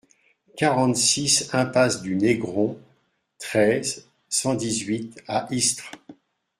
quarante-six impasse du Négron, treize, cent dix-huit à Istres